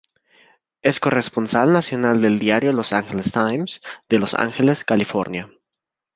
Es corresponsal nacional del diario Los Angeles Times, de Los Ángeles, California.